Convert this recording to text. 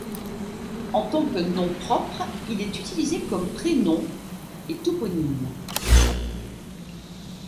En tant que nom propre, il est utilisé comme prénom et toponyme.